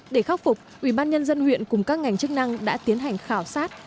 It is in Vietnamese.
để khắc phục ubnd huyện cùng các ngành chức năng đã tiến hành khảo sát